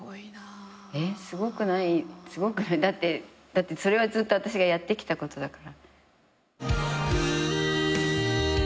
だってそれはずっと私がやってきたことだから。